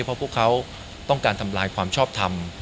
เพราะพวกเขาต้องการทำลายความชอบทำ